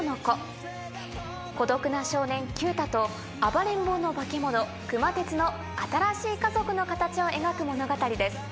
孤独な少年九太と暴れん坊のバケモノ熊徹の新しい家族の形を描く物語です。